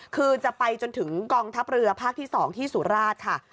คือจะไปจนถึงกองทัพเรือภาคที่๒ที่สุราชค่ะ